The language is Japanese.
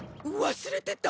忘れてた！